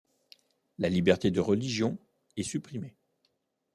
La liberté de religion est supprimée.